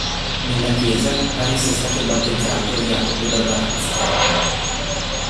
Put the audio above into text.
Nella chiesa pare sia stato battezzato Jacopo da Varazze.